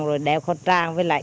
rồi đeo khẩu trang với lại